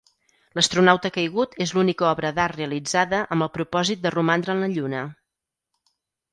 L'astronauta caigut és l'única obra d'art realitzada amb el propòsit de romandre en la Lluna.